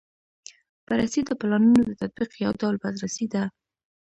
بررسي د پلانونو د تطبیق یو ډول بازرسي ده.